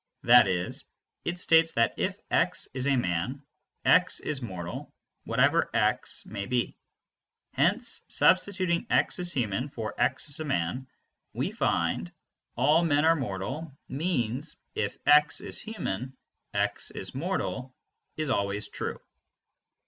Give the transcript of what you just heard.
That is, it states that if x is a man, x is mortal, whatever x may be. Hence, substituting "x is human" for "x is a man," we find: "All men are mortal" means " 'If x is human, x is mortal' is always true."